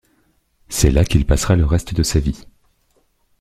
C’est là qu’il passera le reste de sa vie.